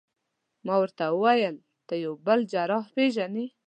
ما ورته وویل: ته یو بل جراح پېژنې؟